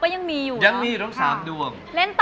ยังมีอยู่ทั้ง๓ดวง